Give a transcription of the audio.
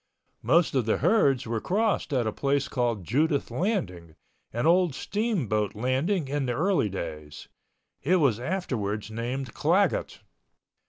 Most of the herds were crossed at a place called Judith Landing, an old steamboat landing in the early days. It was afterwards named Claggot.